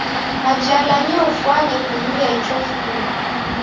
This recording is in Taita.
Majala nio ufwane kuluya icho kifumbi.